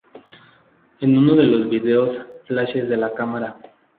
En uno de los videos, flashes de la cámara.